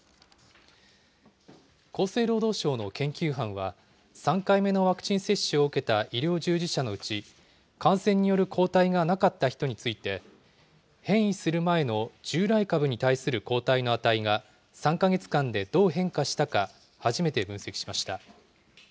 厚生労働省の研究班は、３回目のワクチン接種を受けた医療従事者のうち、感染による抗体がなかった人について、変異する前の従来株に対する抗体の値が、３か月間でどう変化したか、初めて分析しました。